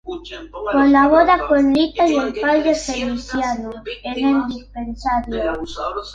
Colabora con Lita y el padre Feliciano en el dispensario.